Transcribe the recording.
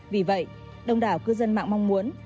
vì vậy đông đảo cư dân mạng mong muốn